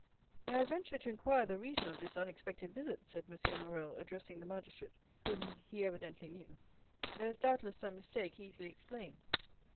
"May I venture to inquire the reason of this unexpected visit?" said M. Morrel, addressing the magistrate, whom he evidently knew; "there is doubtless some mistake easily explained."